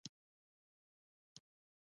تر څو درد ومنل نه شي، درمل نشته.